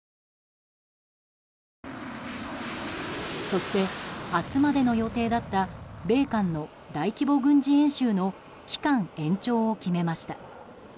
そして、明日までの予定だった米韓の大規模軍事演習の期間延長を決めました。